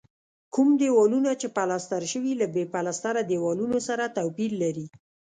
کوم دېوالونه چې پلستر شوي له بې پلستره دیوالونو سره توپیر لري.